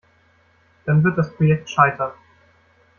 Dann wird das Projekt scheitern.